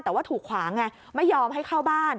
แต่ว่าถูกขวางไงไม่ยอมให้เข้าบ้าน